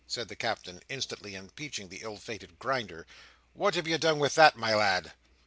said the Captain, instantly impeaching the ill fated Grinder. "What have you done with that, my lad?"